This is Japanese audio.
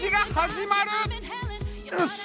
よし！